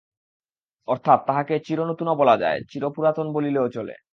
অর্থাৎ তাহাকে চিরনূতনও বলা যায়, চিরপুরাতন বলিলেও চলে।